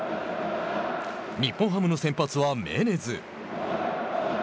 日本ハムの先発はメネズ。